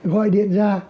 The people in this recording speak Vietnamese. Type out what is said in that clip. gọi điện ra